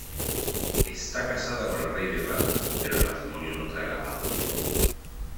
Está casada con el Rey de Irlanda, pero el matrimonio no trae la paz.